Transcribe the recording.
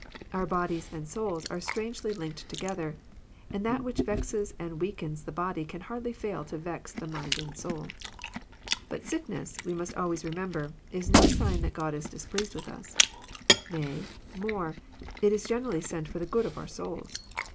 Our bodies and souls are strangely linked together, and that which vexes and weakens the body can hardly fail to vex the mind and soul. But^jdck ness, we must always remember, is no sign that .Gcpd its displease^^^ith us ; nay, more, it is generally sent for the good of our souls.